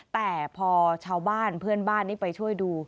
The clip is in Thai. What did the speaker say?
แต่พอชาวบ้านเพื่อนบ้านนี้ไปช่วยดู